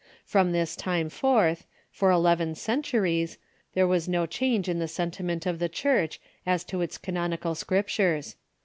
From this time forth, for eleven centuries, there was no change in the sentiment of the Church as to its canonical Scriptures.